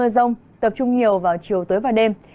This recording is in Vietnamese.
có mưa rông tập trung nhiều vào chiều tới vào đêm